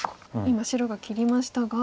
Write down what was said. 今白が切りましたが。